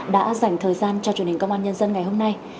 đã dành thời gian cho truyền hình công an nhân dân ngày hôm nay